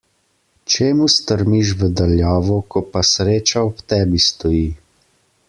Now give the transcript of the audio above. Čemu strmiš v daljavo, ko pa sreča ob tebi stoji.